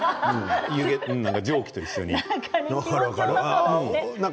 蒸気と一緒に。